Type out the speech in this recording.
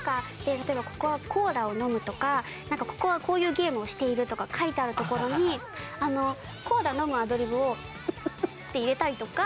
例えば「ここはコーラを飲む」とかなんか「ここはこういうゲームをしている」とか書いてあるところにコーラ飲むアドリブを「んっんっんっ」って入れたりとか。